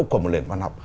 của một lệnh văn học